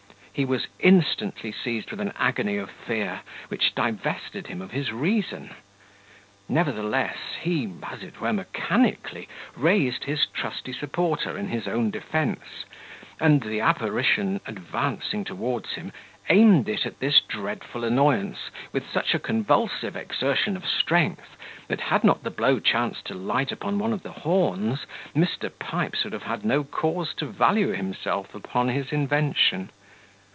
He was instantly seized with an agony of fear, which divested him of his reason: nevertheless, he, as it were mechanically, raised his trusty supporter in his own defence, and, the apparition advancing towards him, aimed it at this dreadful annoyance with such a convulsive exertion of strength, that had not the blow chanced to light upon one of the horns Mr. Pipes would have had no cause to value himself upon his invention.